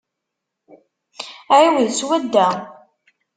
Ɛiwed swadda.